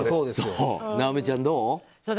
尚美ちゃんどう？